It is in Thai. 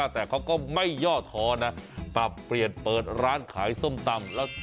แต่เขาก็ไม่ย่อท้อนะปรับเปลี่ยนเปิดร้านขายส้มตำ